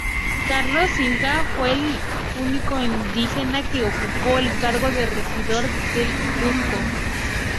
Carlos Inca fue el único indígena que ocupó el cargo de regidor del Cuzco.